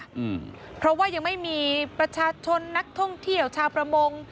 อืมเพราะว่ายังไม่มีประชาชนนักท่องเที่ยวชาวประมง